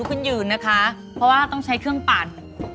เพราะว่าต้องใช้เครื่องปั่น